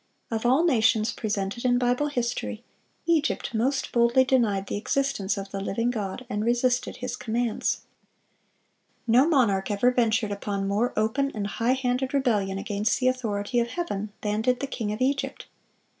Of all nations presented in Bible history, Egypt most boldly denied the existence of the living God, and resisted His commands. No monarch ever ventured upon more open and high handed rebellion against the authority of Heaven than did the king of Egypt.